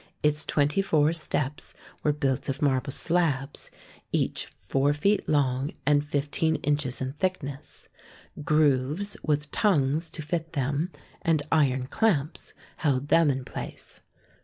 Its twenty four steps were built of marble slabs, each four feet long and fifteen inches in thickness. Grooves with tongues to fit them, and iron clamps held them in place.